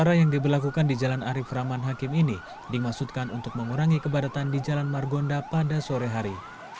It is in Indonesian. acara yang diberlakukan di jalan arief rahman hakim ini dimaksudkan untuk mengurangi kebadatan di jalan margonda pada sore hari